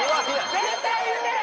絶対言ってる！